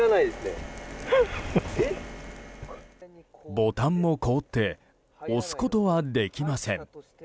ボタンも凍って押すことはできません。